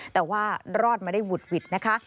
แต่ว่ารอดมาได้หุดหวิดนะคะ